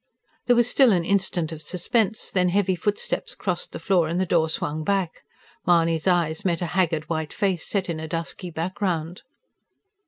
There was still an instant of suspense; then heavy footsteps crossed the floor and the door swung back. Mahony's eyes met a haggard white face set in a dusky background.